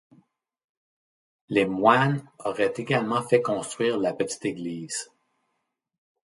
Les moines auraient également fait construire la petite église.